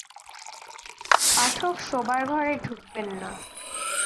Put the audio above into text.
পাঠক শোবার ঘরে ঢুকবে না।